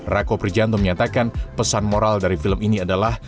rako prijanto menyatakan pesan moral dari film ini adalah